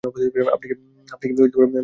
আপনি কী ময়ূরগুলো কবর দিয়েছেন?